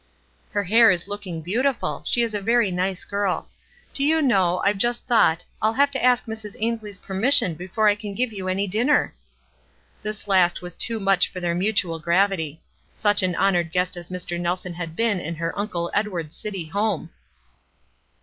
" Her hair is looking beautiful. She is a very nice girl. Do you know, I've just thought, I'll have to ask Mrs. Ainslie's permission before I can give you any dinner!" This last was too much for their mutual gravity. Such an hon ored guest as Mr. Kelson had been in her Uncle Edward's city home.